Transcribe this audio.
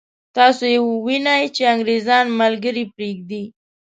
تاسو یې وینئ چې انګرېزان ملګري پرېږدي.